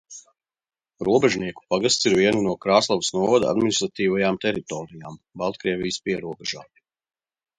Robežnieku pagasts ir viena no Krāslavas novada administratīvajām teritorijām, Baltkrievijas pierobežā.